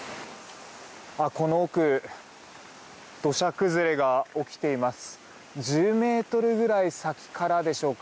この奥土砂崩れが起きています。